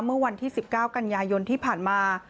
เมื่อวันที่๑๙กันยายนที่ผ่านมา